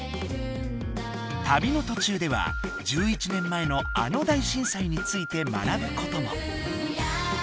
旅の途中では１１年前のあの大震災について学ぶことも。